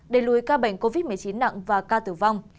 đẩy lùi ca bệnh covid một mươi chín nặng và ca tử vong